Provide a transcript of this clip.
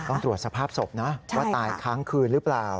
ต้องตรวจสภาพศพนะว่าตายค้างคืนหรือเปล่า